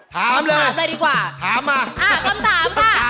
ถามเลยถามมาคำถามค่ะคำถาม